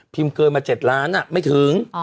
เกินมา๗ล้านไม่ถึง